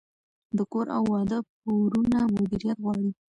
د کور او واده پورونه مدیریت غواړي.